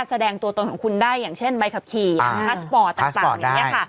แสดงตัวตนของคุณได้อย่างเช่นใบขับขี่พาสปอร์ตต่างอย่างนี้ค่ะ